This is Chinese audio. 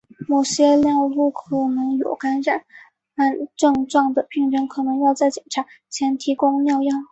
某些尿路可能有感染症状的病人可能要在检查前提供尿样。